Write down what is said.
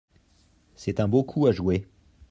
C'est un beau coup à jouer.